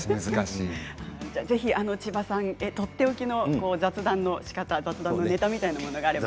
ぜひ千葉さんへのとっておきの雑談のしかた雑談のネタみたいなものがあれば。